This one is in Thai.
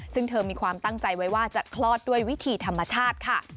ซึ่งเธอมีความตั้งใจไว้ว่าจะคลอดด้วยวิธีธรรมชาติค่ะ